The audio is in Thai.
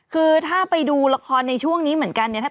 คือถ้าไปดูละครในช่วงนี้เหมือนกันเนี่ย